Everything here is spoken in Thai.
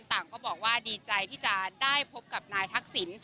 ต่างก็บอกว่าดีใจที่จะได้พบกับนายทักษิณ